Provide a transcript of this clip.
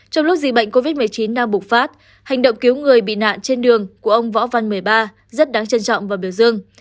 trong lúc dịch bệnh covid một mươi chín đang bục phát hành động cứu người bị nạn trên đường của ông võ văn một mươi ba rất đáng trân trọng và biểu dương